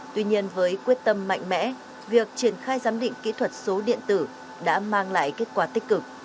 tuy nhiên với quyết tâm mạnh mẽ việc triển khai giám định kỹ thuật số điện tử đã mang lại kết quả tích cực